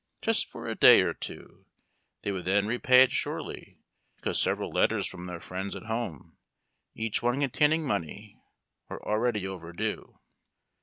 " just for a day or two," they would then repay it surely, because several letters from their friends at home, each one containing money, were already overdue.